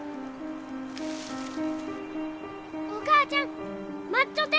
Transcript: お母ちゃん待っちょって！